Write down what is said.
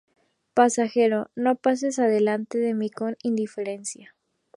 Pasajero: no pases delante de mi con indiferencia.